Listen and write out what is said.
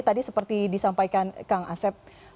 tadi seperti disampaikan kang asep